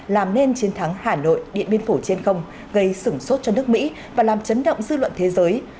làm nên chiến thắng hà nội điện biên phủ trên không gây sửng sốt cho nước mỹ và làm chấn động dư luận thế giới